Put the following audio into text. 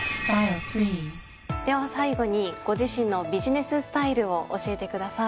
では最後にご自身のビジネススタイルを教えてください。